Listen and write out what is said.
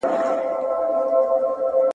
• چيري چي زړه ځي، هلته پښې ځي.